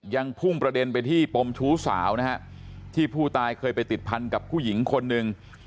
ยังพุ่งประเด็นไปที่ปมชู้สาวนะฮะที่ผู้ตายเคยไปติดพันกับผู้หญิงคนหนึ่ง